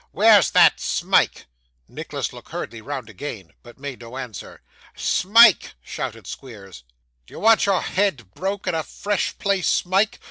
Where's that Smike?' Nicholas looked hurriedly round again, but made no answer. 'Smike!' shouted Squeers. 'Do you want your head broke in a fresh place, Smike?